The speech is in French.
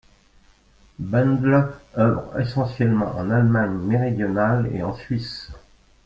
Bendl œuvre essentiellement en Allemagne mériodionale et en Suisse.